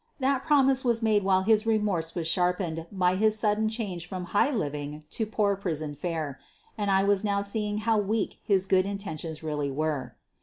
That promise was made while his remorse was sharpened by his sudden change from high living to poor prison fare, and I was now to see how weak his good intentions really were.